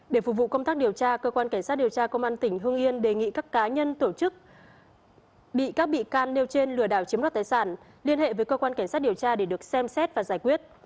để phục vụ công tác điều tra cơ quan cảnh sát điều tra công an tỉnh hương yên đề nghị các cá nhân tổ chức bị các bị can nêu trên lừa đảo chiếm đoạt tài sản liên hệ với cơ quan cảnh sát điều tra để được xem xét và giải quyết